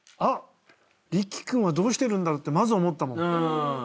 凜葵君はどうしてるんだろうってまず思ったもん。